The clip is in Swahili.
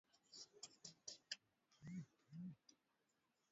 uwanja sawa katika ugombezi huo wa uchaguzi